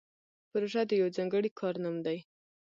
پروژه د یو ځانګړي کار نوم دی